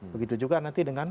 begitu juga nanti dengan